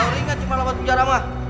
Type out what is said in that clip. palingan cuma lewat penjara mah